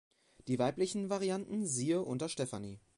Die weiblichen Varianten siehe unter Stefanie.